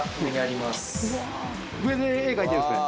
上で絵描いてるんですね。